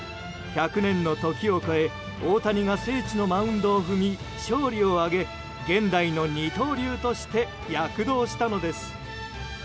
１００年の時を越え大谷が聖地のマウンドを踏み勝利を挙げ、現代の二刀流として躍動したのです。